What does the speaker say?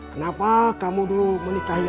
kenapa kamu belum menikahi aceh